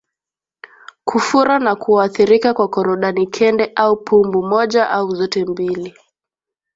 Kufura na kuathirika kwa korodani kende au pumbu moja au zote mbili